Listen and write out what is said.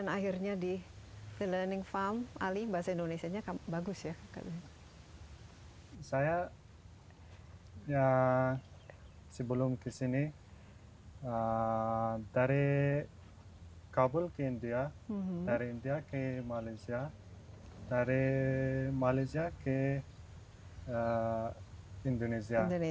saya sebelum ke sini dari kabul ke india dari india ke malaysia dari malaysia ke indonesia